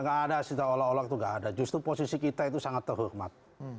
nggak ada setelah olah itu nggak ada justru posisi kita itu sangat terhormat